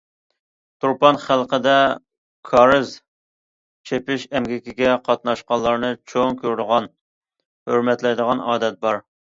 تۇرپان خەلقىدە كارىز چېپىش ئەمگىكىگە قاتناشقانلارنى چوڭ كۆرىدىغان، ھۆرمەتلەيدىغان ئادەت بار.